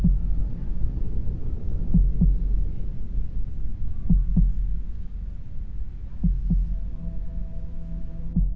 เสกที่สองมูลค่าสองหมื่นบาท